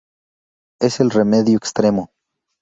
Es el remedio extremo.